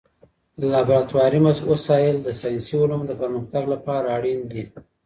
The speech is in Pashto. لابراتواري وسایل د ساینسي علومو د پرمختګ لپاره اړین دي.